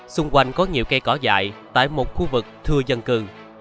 xung quanh có nhiều cây cỏ dại tại một khu vực thưa dân cư